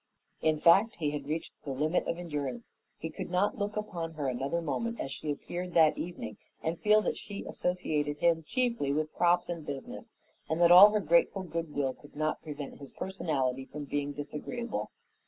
In fact, he had reached the limit of endurance; he could not look upon her another moment as she appeared that evening and feel that she associated him chiefly with crops and business, and that all her grateful good will could not prevent his personality from being disagreeable.